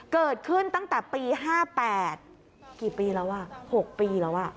เกิดขึ้นตั้งแต่ปีห้าแปดกี่ปีแล้วอ่ะหกปีแล้วอ่ะ